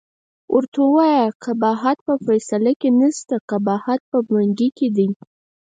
ورته ووایه قباحت په فیصله کې نشته، قباحت په منګي کې دی.